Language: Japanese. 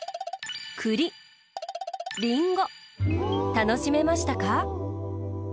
たのしめましたか？